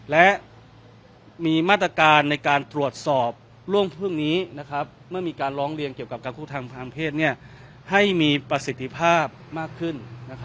และมีมาตรการในการตรวจสอบล่วงพรุ่งนี้เมื่อมีการร้องเรียนเกี่ยวกับการคู่ทางเพศให้มีประสิทธิภาพมากขึ้น